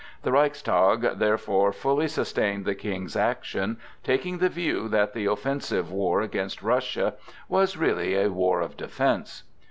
The Reichstag therefore fully sustained the King's action, taking the view that the offensive war against Russia was really a war of defence.